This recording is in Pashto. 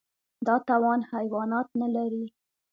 دا توان حیوانات نهلري.